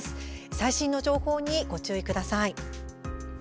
最新の情報にご注意ください。